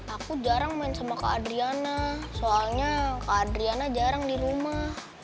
aku jarang main sama kak adriana soalnya kak adriana jarang di rumah